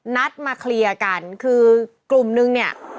นัดมาเคลียร์กันคือกลุ่มนึงเนี่ย